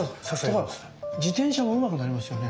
だから自転車もうまくなりますよね？